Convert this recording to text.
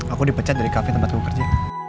aku dipecat dari kafe tempat gue kerja